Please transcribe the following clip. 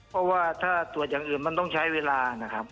เพราะว่าถ้าตรวจอย่างอื่นมันต้องใช้เวลานะครับ